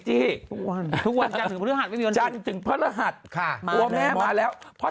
จันทร์ถึงพระรหัสจันทร์ถึงพระรหัสค่ะตัวแม่มาแล้วเพราะ